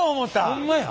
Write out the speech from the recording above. ホンマや。